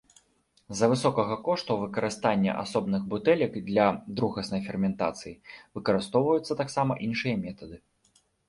З-за высокага кошту выкарыстання асобных бутэлек для другаснай ферментацыі, выкарыстоўваюцца таксама іншыя метады.